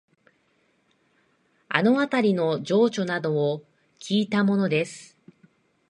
あのあたりの情緒などをきいたものです